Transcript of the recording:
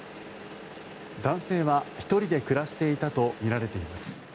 男性は１人で暮らしていたとみられています。